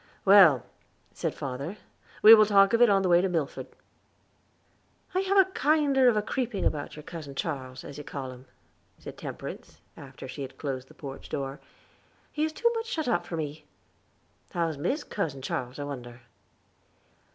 "Well," said father, "we will talk of it on the way to Milford." "I have a kinder of a creeping about your Cousin Charles, as you call him," said Temperance, after she had closed the porch door. "He is too much shut up for me. How's Mis Cousin Charles, I wonder?"